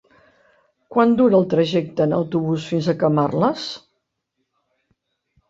Quant dura el trajecte en autobús fins a Camarles?